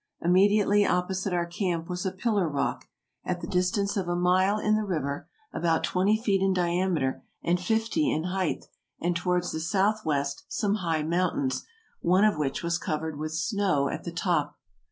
Immediately opposite our camp was a pillar rock, at the distance of a mile in the river, about twenty feet in diameter and fifty in height, and towards the south west some high mountains, one of which 154 TRAVELERS AND EXPLORERS was covered with snow at the top.